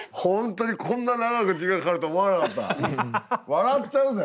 笑っちゃうぜ。